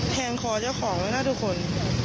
คอเจ้าของแล้วนะทุกคน